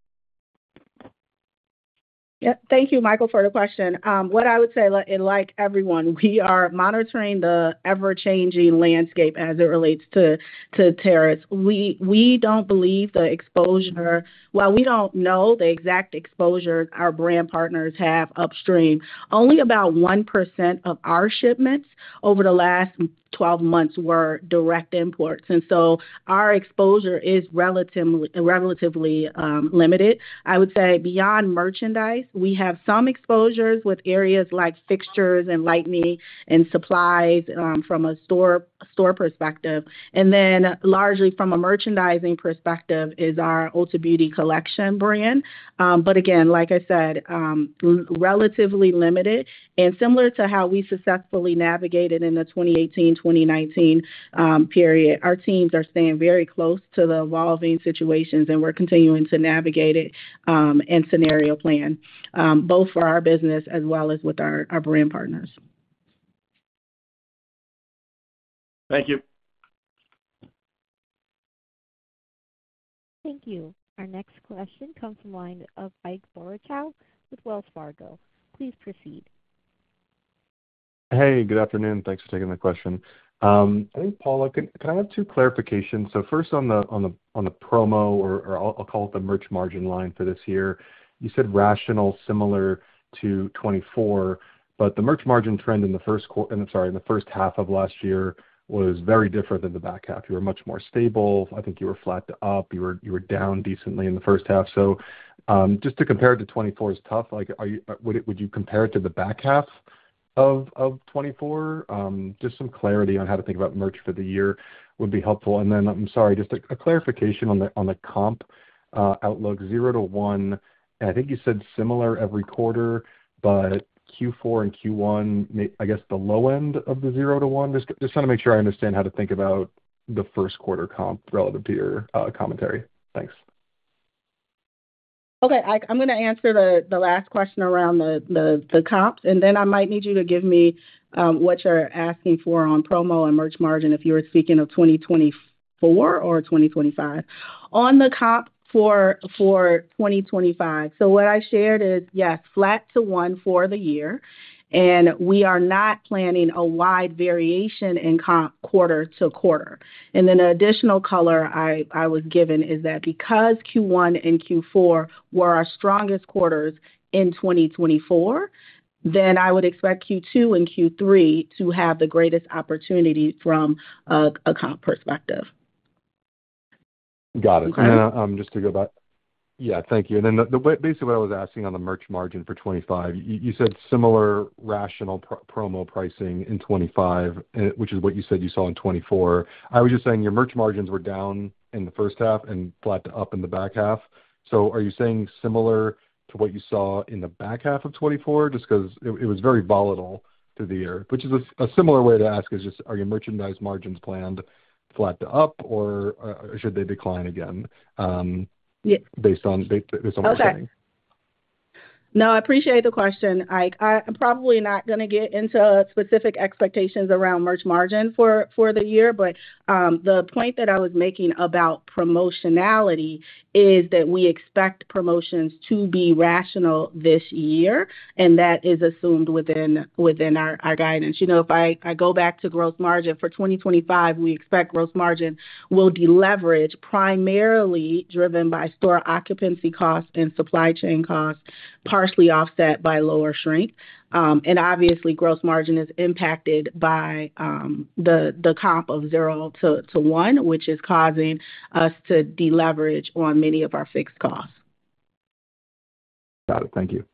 Yep. Thank you, Michael, for the question. What I would say, like everyone, we are monitoring the ever-changing landscape as it relates to tariffs. We do not believe the exposure—well, we do not know the exact exposure our brand partners have upstream. Only about 1% of our shipments over the last 12 months were direct imports. Our exposure is relatively limited. I would say beyond merchandise, we have some exposures with areas like fixtures and lighting and supplies from a store perspective. Largely from a merchandising perspective is our Ulta Beauty Collection brand. Again, like I said, relatively limited. Similar to how we successfully navigated in the 2018, 2019 period, our teams are staying very close to the evolving situations, and we are continuing to navigate it and scenario plan both for our business as well as with our brand partners. Thank you. Thank you. Our next question comes from the line of Ike Boruchow with Wells Fargo. Please proceed. Hey, good afternoon. Thanks for taking the question. I think, Paula, can I have two clarifications? First, on the promo, or I'll call it the merch margin line for this year, you said rational similar to 2024, but the merch margin trend in the first—sorry, in the first half of last year was very different than the back half. You were much more stable. I think you were flat to up. You were down decently in the first half. Just to compare it to 2024 is tough. Would you compare it to the back half of 2024? Just some clarity on how to think about merch for the year would be helpful. I'm sorry, just a clarification on the comp outlook: zero to one. I think you said similar every quarter, but Q4 and Q1, I guess the low end of the zero to one. Just trying to make sure I understand how to think about the first quarter comp relative to your commentary. Thanks. Okay. I'm going to answer the last question around the comps, and then I might need you to give me what you're asking for on promo and merch margin if you were speaking of 2024 or 2025. On the comp for 2025, what I shared is, yes, flat to one for the year, and we are not planning a wide variation in comp quarter to quarter. An additional color I was given is that because Q1 and Q4 were our strongest quarters in 2024, I would expect Q2 and Q3 to have the greatest opportunity from a comp perspective. Got it. Just to go back—yeah, thank you. Basically what I was asking on the merch margin for 2025, you said similar rational promo pricing in 2025, which is what you said you saw in 2024. I was just saying your merch margins were down in the first half and flat to up in the back half. Are you saying similar to what you saw in the back half of 2024? Just because it was very volatile through the year, which is a similar way to ask is just, are your merchandise margins planned flat to up, or should they decline again based on what you're saying? No, I appreciate the question, Ike. I'm probably not going to get into specific expectations around merch margin for the year, but the point that I was making about promotionality is that we expect promotions to be rational this year, and that is assumed within our guidance. If I go back to gross margin for 2025, we expect gross margin will deleverage primarily driven by store occupancy costs and supply chain costs, partially offset by lower shrink. Obviously, gross margin is impacted by the comp of zero to one, which is causing us to deleverage on many of our fixed costs. Got it. Thank you.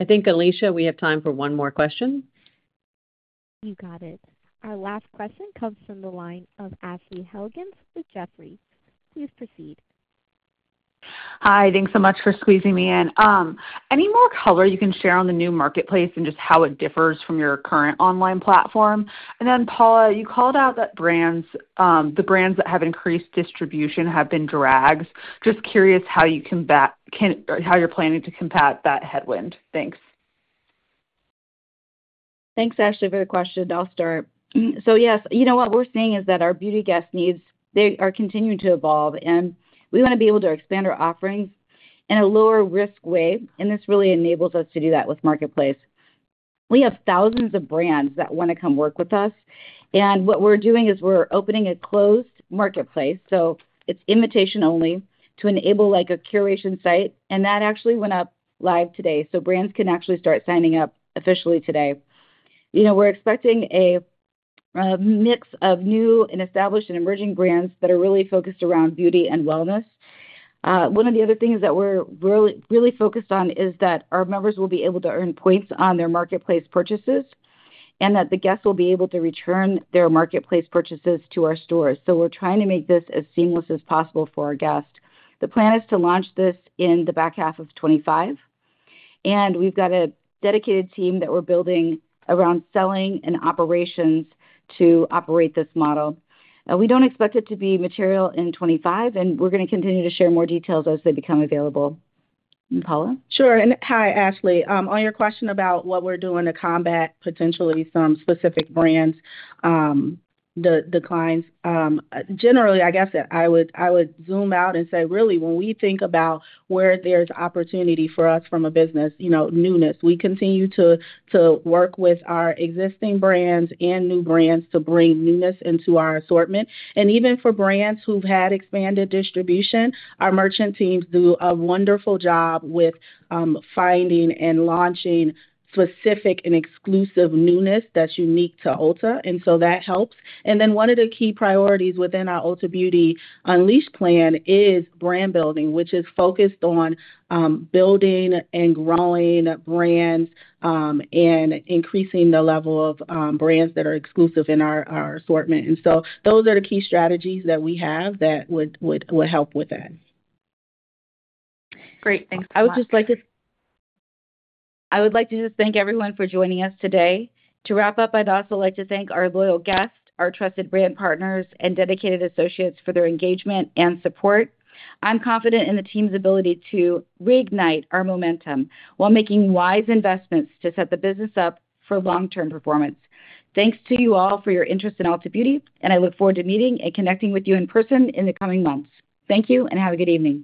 I think, Alicia, we have time for one more question. You got it. Our last question comes from the line of Ashley Helgans with Jefferies. Please proceed. Hi. Thanks so much for squeezing me in. Any more color you can share on the new marketplace and just how it differs from your current online platform? And then, Paula, you called out that the brands that have increased distribution have been drags. Just curious how you're planning to combat that headwind. Thanks. Thanks, Ashley, for the question. I'll start. Yes, what we're seeing is that our beauty guest needs, they are continuing to evolve, and we want to be able to expand our offerings in a lower-risk way. This really enables us to do that with marketplace. We have thousands of brands that want to come work with us. What we're doing is we're opening a closed marketplace. It is invitation-only to enable a curation site. That actually went up live today. Brands can actually start signing up officially today. We're expecting a mix of new and established and emerging brands that are really focused around beauty and wellness. One of the other things that we're really focused on is that our members will be able to earn points on their marketplace purchases and that the guests will be able to return their marketplace purchases to our stores. We are trying to make this as seamless as possible for our guests. The plan is to launch this in the back half of 2025. We have a dedicated team that we're building around selling and operations to operate this model. We do not expect it to be material in 2025, and we are going to continue to share more details as they become available. Paula? Sure. Hi, Ashley. On your question about what we're doing to combat potentially some specific brands, the declines, generally, I guess I would zoom out and say, really, when we think about where there's opportunity for us from a business, newness, we continue to work with our existing brands and new brands to bring newness into our assortment. Even for brands who've had expanded distribution, our merchant teams do a wonderful job with finding and launching specific and exclusive newness that's unique to Ulta. That helps. One of the key priorities within our Ulta Beauty Unleashed plan is brand building, which is focused on building and growing brands and increasing the level of brands that are exclusive in our assortment. Those are the key strategies that we have that would help with that. Great. Thanks, Paula. I would just like to thank everyone for joining us today. To wrap up, I'd also like to thank our loyal guests, our trusted brand partners, and dedicated associates for their engagement and support. I'm confident in the team's ability to reignite our momentum while making wise investments to set the business up for long-term performance. Thanks to you all for your interest in Ulta Beauty, and I look forward to meeting and connecting with you in person in the coming months. Thank you, and have a good evening.